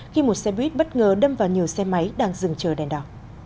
khi một xe buýt bất ngờ đâm vào nhiều xe máy đang dừng chờ đèn đỏ